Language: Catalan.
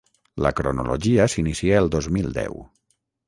La cronologia s’inicia el dos mil deu.